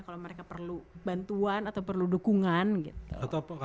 kalau mereka perlu bantuan atau perlu dukungan gitu